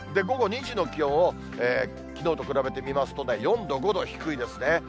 午後２時の気温をきのうと比べてみますと、４度、５度低いですね。